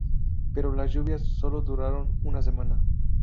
Pero las lluvias solo duraron una semana.